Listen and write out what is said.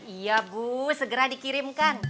iya bu segera dikirimkan